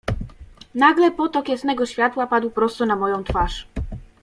"Nagle potok jasnego światła padł prosto na moją twarz."